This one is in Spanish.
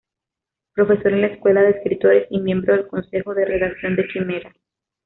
Profesor en la Escuela de Escritores y miembro del Consejo de Redacción de "Quimera.